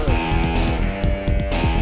mulai mulai mulai